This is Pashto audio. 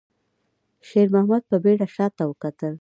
شېرمحمد په بيړه شاته وکتل.